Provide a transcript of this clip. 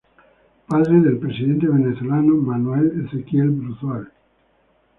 Padre del presidente venezolano Manuel Ezequiel Bruzual.